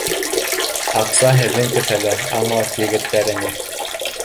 Аҡса һеҙҙең кеҫәлә, аңлат егеттәреңә